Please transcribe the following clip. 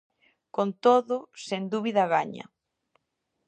Con todo, sen dúbida gaña.